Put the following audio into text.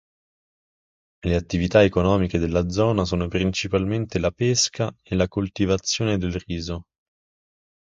Le attività economiche della zona sono principalmente la pesca e la coltivazione del riso.